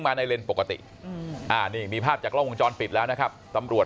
มาในเลนส์ปกตินี่มีภาพจากกล้องวงจรปิดแล้วนะครับตำรวจ